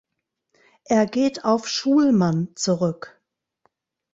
Er geht auf Schulman zurück.